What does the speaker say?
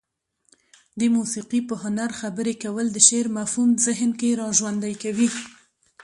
د موسيقي په هنر خبرې کول د شعر مفهوم ذهن کې را ژوندى کوي.